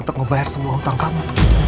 untuk ngebayar semua utang kamu